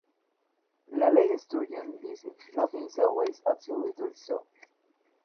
La ley de Sturgeon dice: "Nothing is always absolutely so.